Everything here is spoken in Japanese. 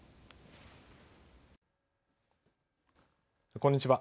こんにちは。